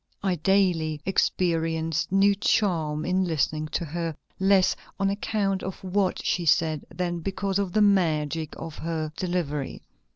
I daily experienced new charm in listening to her, less on account of what she said than because of the magic of her delivery."